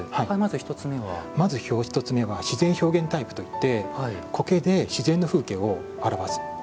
まず１つ目は自然表現タイプといって苔で自然の風景を表す。